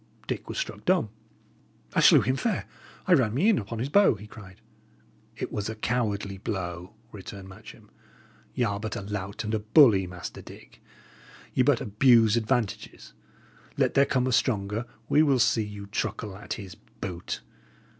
Dick was struck dumb. "I slew him fair. I ran me in upon his bow," he cried. "It was a coward blow," returned Matcham. "Y' are but a lout and bully, Master Dick; ye but abuse advantages; let there come a stronger, we will see you truckle at his boot!